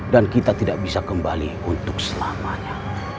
dan kita tidak bisa kembali untuk selamanya